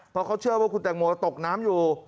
เพราะเขาเชื่อว่าคุณแตงโมตกน้ำอยู่